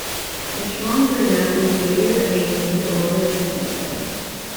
Rochon-Burnett was later named to the Order of Canada.